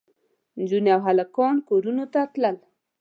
نجونې او هلکان کورونو ته تلل.